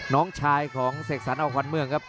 น้องชายของเสกสรรเอาขวัญเมืองครับ